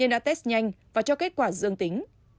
nên đã test nhanh và cho kết quả dương tính